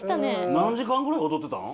何時間ぐらい踊ってたの？